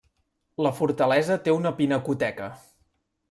La fortalesa té una pinacoteca.